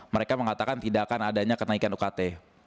mereka mengatakan tidak akan adanya kenaikan ukt